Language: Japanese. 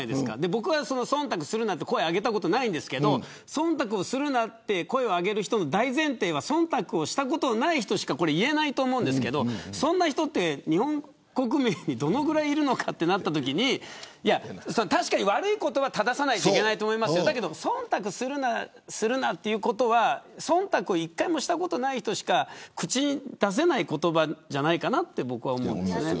僕は忖度するなって声を挙げたことはないですけど忖度するなって声を挙げた人の大前提は忖度したことがない人しか言えないと思うんですけどそんな人って日本国民にどれぐらいいるのかとなったときに確かに悪いことは正さなければいけませんが忖度するなってことは、忖度を一回もしたことがない人しか口に出せない言葉じゃないかなと思うんです。